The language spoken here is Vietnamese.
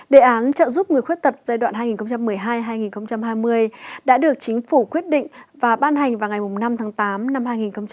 đề án trợ giúp người khuyết tật giai đoạn hai nghìn một mươi hai hai nghìn hai mươi đã được chính phủ quyết định và ban hành vào ngày năm tháng tám năm hai nghìn một mươi chín